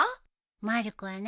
まる子はね